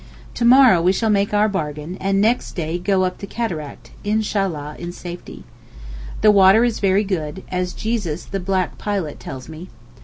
To morrow we shall make our bargain, and next day go up the Cataract—Inshallah, in safety. The water is very good, as Jesus the black pilot tells me.